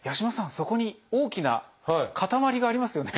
そこに大きな固まりがありますよね？